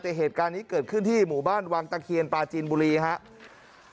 แต่เหตุการณ์นี้เกิดขึ้นที่หมู่บ้านวังตะเคียนปลาจีนบุรีครับ